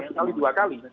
sekali dua kali